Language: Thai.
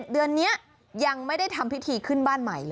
เดือนนี้ยังไม่ได้ทำพิธีขึ้นบ้านใหม่เลย